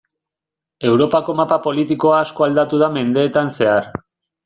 Europako mapa politikoa asko aldatu da mendeetan zehar.